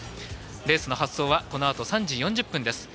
レースの発走は３時４０分です。